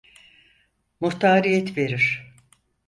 Muhtariyet verir!